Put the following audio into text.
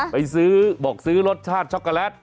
ไปซื้อบอกซื้อรสชาติช็อกโกแลต